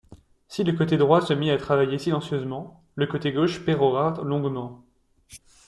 Si le côté droit se mit à travailler silencieusement, le côté gauche pérora longuement.